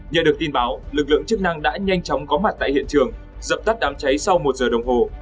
nhờ được tin báo lực lượng chức năng đã nhanh chóng có mặt tại hiện trường dập tắt đám cháy sau một giờ đồng hồ